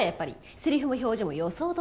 セリフも表情も予想どおり。